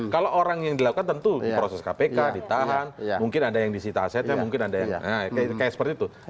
kalau orang yang dilakukan tentu diproses kpk ditahan mungkin ada yang disita asetnya mungkin ada yang kayak seperti itu